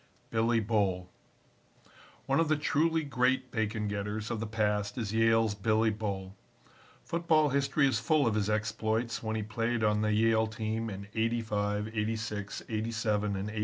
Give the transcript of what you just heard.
Billy Bull One of the truly great bacon getters of the past is Yale's Billy Bull. Football history is full of his exploits when he played on the Yale team in '85, '86, '87 and '88.